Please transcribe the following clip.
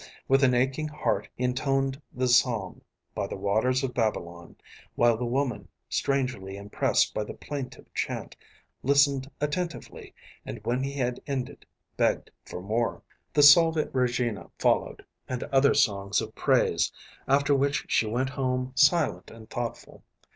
With an aching heart he intoned the psalm, "By the waters of Babylon," while the woman, strangely impressed by the plaintive chant, listened attentively and, when he had ended, begged for more. The Salve Regina followed, and other songs of praise, after which she went home silent and thoughtful.